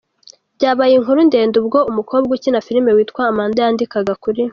byabaye inkuru ndende ubwo ukobwa ukina filime witwa Amanda yandikaga kuri.